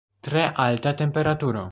Tre alta temperaturo.